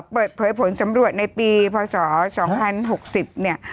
เปิดเผยผลสำรวจในปีพศ๒๐๖๐เนี่ย